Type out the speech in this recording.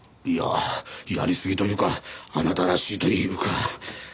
いややりすぎというかあなたらしいというか。